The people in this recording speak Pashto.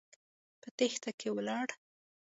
په تېښته کې ولاړ.